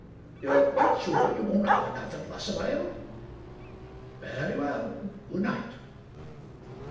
You're quite sure you won't have another ;glass of ale ?— ^Very well. Good night."